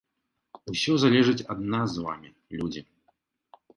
Усё залежыць ад нас з вамі, людзі.